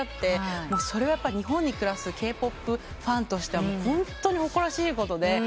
それは日本に暮らすＫ−ＰＯＰファンとしてはホントに誇らしいことで。